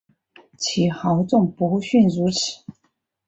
其豪纵不逊如此。